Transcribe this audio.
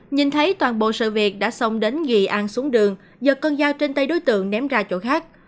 nhìn thấy toàn bộ sự việc đã xông đến ghy an xuống đường giật con dao trên tay đối tượng ném ra chỗ khác